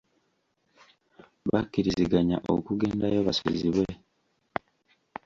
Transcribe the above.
Bakkiriziganya okugendayo basuzibwe.